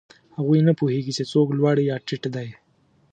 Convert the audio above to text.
هغوی نه پوهېږي، چې څوک لوړ یا ټیټ دی.